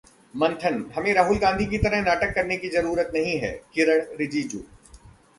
मंथन: हमें राहुल गांधी की तरह नाटक करने की जरूरत नहीं है: किरण रिजिजू